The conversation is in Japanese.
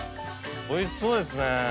おいしそうですね。